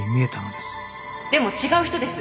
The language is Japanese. でも違う人です！